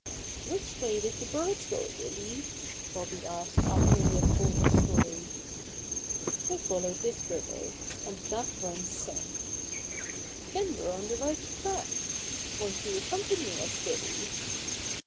"Which way did the birds go, Billy?" Bobby asked after he had told his story. "They followed this river, and that runs south." "Then we're on the right track. Won't you accompany us, Billy?"